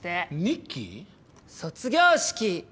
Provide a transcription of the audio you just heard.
「卒業式。